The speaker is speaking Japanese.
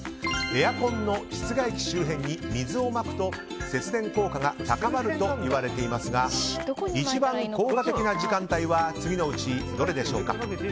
エアコンの室外機周辺に水をまくと節電効果が高まるといわれていますが一番効果的な時間帯は次のうちどれでしょうか？